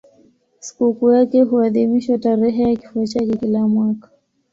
Sikukuu yake huadhimishwa tarehe ya kifo chake kila mwaka.